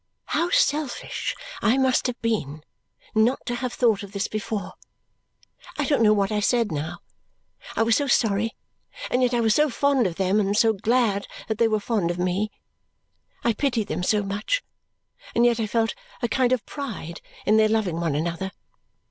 How selfish I must have been not to have thought of this before! I don't know what I said now. I was so sorry, and yet I was so fond of them and so glad that they were fond of me; I pitied them so much, and yet I felt a kind of pride in their loving one another.